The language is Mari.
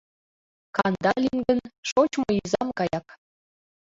Кандалин гын шочмо изам гаяк.